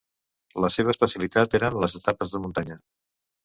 La seva especialitat eren les etapes de muntanya.